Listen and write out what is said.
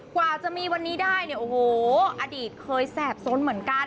กว่าจะมีวันนี้ได้อดีตเคยแสบส้นเหมือนกัน